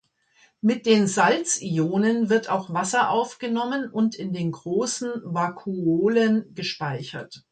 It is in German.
Mit den Salz-Ionen wird auch Wasser aufgenommen und in den großen Vakuolen gespeichert.